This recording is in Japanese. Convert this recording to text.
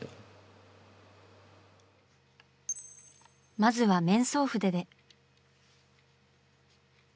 まずは面相筆で。